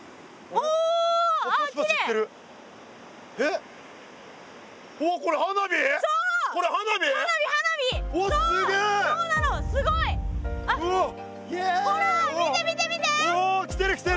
おお来てる来てる！